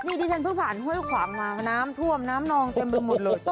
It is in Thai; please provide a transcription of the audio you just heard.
นี่ดิฉันเพิ่งผ่านห้วยขวางมาน้ำท่วมน้ำนองเต็มไปหมดเลย